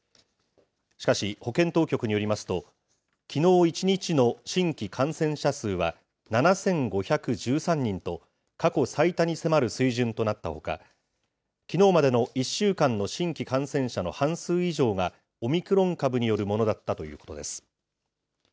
しかし、保健当局によりますと、きのう１日の新規感染者数は７５１３人と、過去最多に迫る水準となったほか、きのうまでの１週間の新規感染者の半数以上が、オミクロン株によるものだったということです。